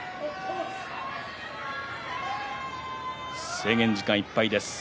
制限時間いっぱいです。